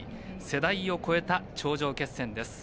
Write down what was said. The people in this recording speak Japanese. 世代を超えた頂上決戦です。